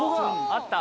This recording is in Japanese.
あった。